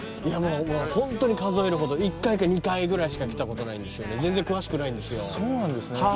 いやもうホントに数えるほど１回か２回ぐらいしか来たことないんですよね全然詳しくないんですよそうなんですね